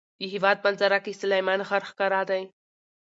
د هېواد منظره کې سلیمان غر ښکاره دی.